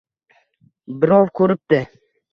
Birov ko‘ribdi: